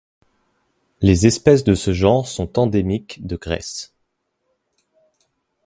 Les espèces de ce genre sont endémiques de Grèce.